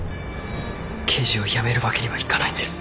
刑事を辞めるわけにはいかないんです